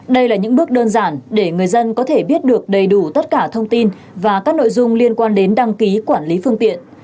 đây là những bước đơn giản để người dân có thể biết được đầy đủ tất cả thông tin và các nội dung liên quan đến đăng ký quản lý phương tiện